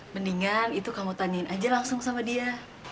mendingan itu kamu tanyain aja langsung sama dia